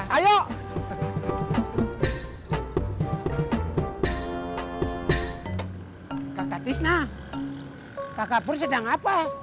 kakak tisna kakak pur sedang apa